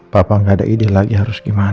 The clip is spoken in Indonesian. papah gak ada ide lagi harus gimana